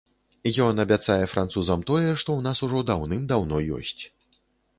Ён абяцае французам тое, што ў нас ужо даўным даўно ёсць.